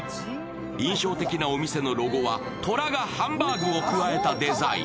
印象的なお店のロゴは虎がハンバーグをくわえたデザイン。